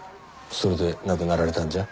それで亡くなられたんじゃ？